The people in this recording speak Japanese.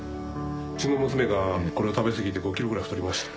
うちの娘がこれを食べ過ぎて５キロぐらい太りました。